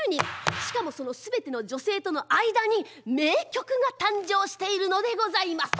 しかもその全ての女性との間に名曲が誕生しているのでございます。